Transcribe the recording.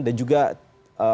dan juga pan